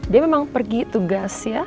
dia memang pergi tugas ya